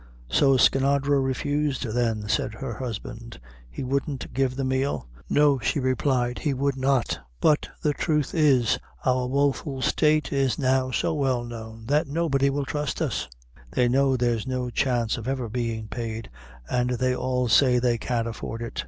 "So Skinadre refused, then?" said her husband; "he wouldn't give the meal?" "No," she replied, "he would not; but the truth is, our woful' state is now so well known, that nobody will trust us; they know there's no chance of ever bein' paid, an' they all say they can't afford it."